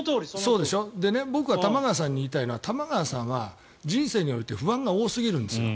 僕は玉川さんに言いたいのは玉川さんは人生において不安が多すぎるんですよ